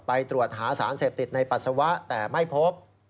ไปตรวจหาสารเสพติดในปัสสาวะแต่ไม่พบ